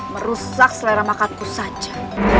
merusak selera makatku saja